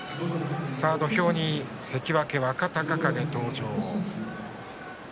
土俵に関脇若隆景、登場。